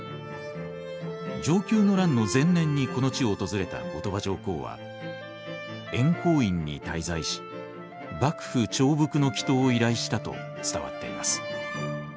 承久の乱の前年にこの地を訪れた後鳥羽上皇は円光院に滞在し幕府調伏の祈とうを依頼したと伝わっています。